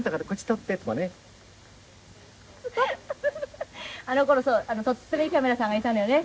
とってもいいカメラさんがいたのよね。